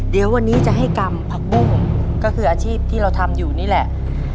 เดี๋ยววันนี้จะให้กรรมผักบุ้งก็คืออาชีพที่เราทำอยู่นี่แหละ